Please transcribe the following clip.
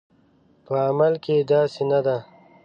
په عمل کې داسې نه ده